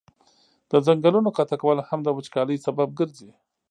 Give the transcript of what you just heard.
د ځنګلونو قطع کول هم د وچکالی سبب ګرځي.